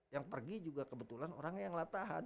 yang pergi juga kebetulan orangnya yang latahan